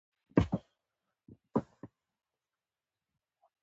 د پښتنو په کلتور کې د فرشونو ډولونه ځانګړي دي.